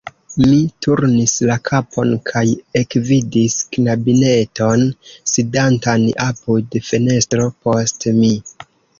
Mi turnis la kapon kaj ekvidis knabineton, sidantan apud fenestro post mi.